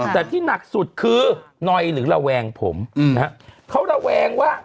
แต่ที่หนักสุดคือนอยหรือระแวงผมนะฮะเขาระแวงว่า